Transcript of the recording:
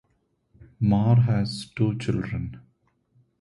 Marr has two children.